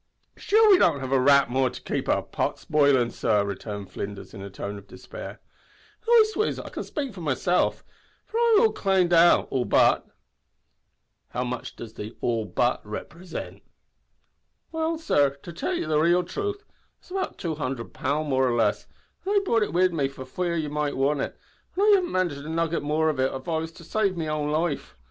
"Sure we haven't got a rap more to kape our pots bilin', sor," returned Flinders, in a tone of despair. "Lastewise I can spake for myself; for I'm claned out all but." "Row much does the `all but' represent?" "Well, sor, to tell you the raal truth, it's about tchwo hundred pound, more or less, and I brought it wid me, for fear you might want it, an' I haven't got a nugget more if it was to save me own life.